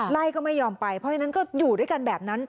ไล่ก็ไม่ยอมไปเพราะฉะนั้นก็อยู่ด้วยกันแบบนั้น